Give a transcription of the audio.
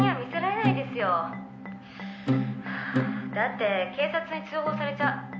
「だって警察に通報されちゃう。